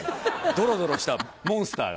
ドロドロしたモンスターが。